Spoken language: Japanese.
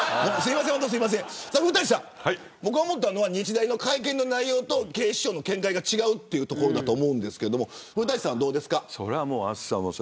古舘さん、僕が思ったのは日大の会見の内容と警視庁の見解が違うというところだと思うんですけど古舘さんはどうですか。